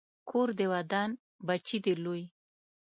کور دې ودان، بچی دې لوی